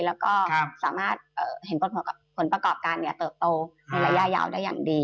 แล้วก็สามารถเห็นผลประกอบการเติบโตในระยะยาวได้อย่างดี